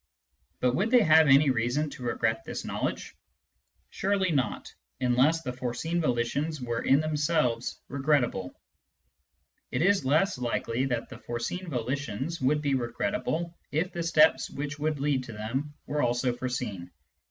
But would they have any reason to regret this knowledge ? Surely not, unless the foreseen volitions were in themselves regrettable. And it is less likely that the foreseen volitions would be regrettable if the steps which would lead to them were also foreseen.